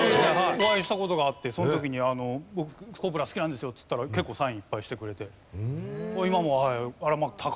お会いした事があってその時に「僕『コブラ』好きなんですよ」って言ったら結構サインいっぱいしてくれて。